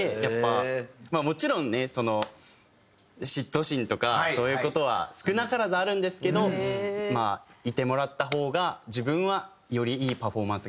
もちろんね嫉妬心とかそういう事は少なからずあるんですけどいてもらった方が自分はよりいいパフォーマンスができるなって思います。